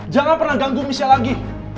jangan pernah ganggu misi lagi